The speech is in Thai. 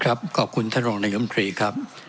ครับขอบคุณท่านรองนัยอำนาจมนตรีครับ